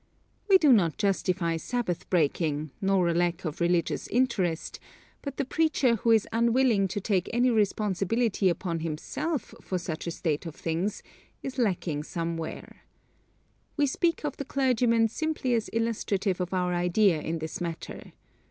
We do not justify Sabbath breaking, nor a lack of religious interest, but the preacher who is unwilling to take any responsibility upon himself for such a state of things is lacking somewhere. We speak of the clergyman simply as illustrative of our idea in this matter.